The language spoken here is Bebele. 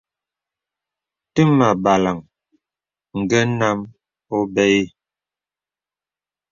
Təmà àbālaŋ ngə nám óbə̂ ï.